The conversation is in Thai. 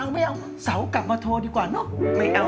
ไม่เอาเสากลับมาโทรดีกว่าเนอะ